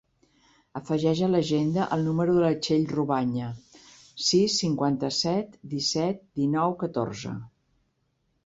Afegeix a l'agenda el número de la Txell Robayna: sis, cinquanta-set, disset, dinou, catorze.